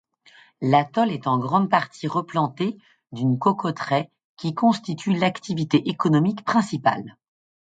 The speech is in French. L'atoll est en grande partie replanté d'une cocoteraie qui constitue l'activité économique principale.